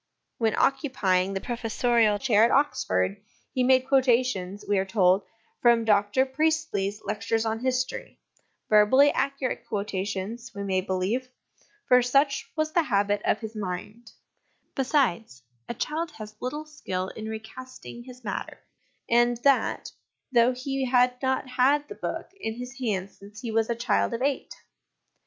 When occupying the professorial chair at Oxford, he made quotations, we are told, from Dr Priestley's Lectures on History, verbally accurate quotations, we may believe, for such was the habit of his mind ; besides, a child has little skill in recasting his matter and that, though he had not had the book in his hands since he was a child of eight.